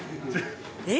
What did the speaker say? えっ？